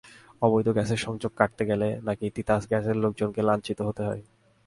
অবৈধ গ্যাসের সংযোগ কাটতে গেলে নাকি তিতাস গ্যাসের লোকজনকে লাঞ্ছিত হতে হয়।